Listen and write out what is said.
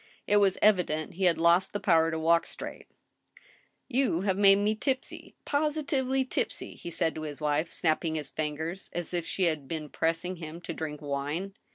It was evident he had lost the power to walk straight. " You have made me tipsy — positively tipsy," he said to his wife, snapping his fingers, as if she had been pressing him to drink wine.